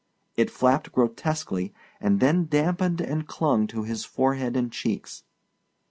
It flapped grotesquely and then dampened and clung clung to his forehead and cheeks.